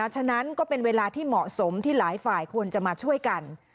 ฉะนั้นก็เป็นเวลาที่เหมาะสมที่หลายฝ่ายควรจะมาช่วยกัน